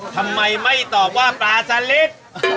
ทำไมไม่ตอบว่าปลาสันลิศ